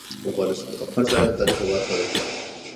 افغان شاعران د تاریخ برخه دي.